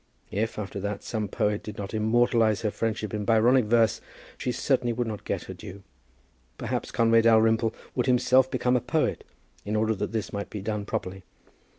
If, after that, some poet did not immortalize her friendship in Byronic verse, she certainly would not get her due. Perhaps Conway Dalrymple would himself become a poet in order that this might be done properly.